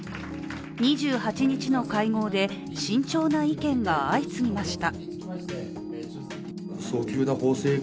２８日の会合で、慎重な意見が相次ぎました。